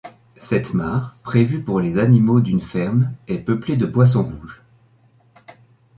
Cette mare, prévue pour les animaux d'une ferme, est peuplée de poissons rouges.